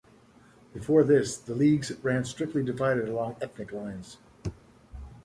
Before this, the leagues ran strictly divided along ethnic lines.